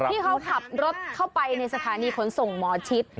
ที่เขาขับรถเข้าไปในสถานีขนส่งหมอชิด